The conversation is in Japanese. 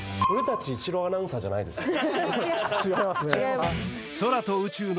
古伊知郎アナウンサーじゃないです？